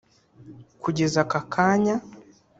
Kugeza aka kanya